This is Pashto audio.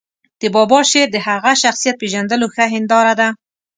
د بابا شعر د هغه شخصیت پېژندلو ښه هنداره ده.